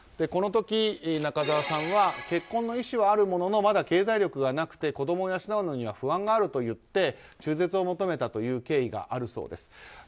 この時、中澤さんは結婚の意思はあるもののまだ経済力がなくて子供を養うには不安があると言って中絶を求めたという経緯があるそうです。